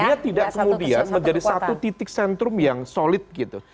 dia tidak kemudian menjadi satu titik sentrum yang solid gitu